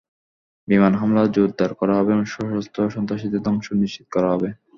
বিমান হামলা জোরদার করা হবে এবং সশস্ত্র সন্ত্রাসীদের ধ্বংস নিশ্চিত করা হবে।